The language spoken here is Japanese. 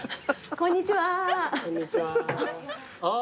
こんにちは。